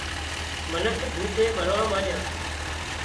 منک ڀوڇي مروا مانڏيان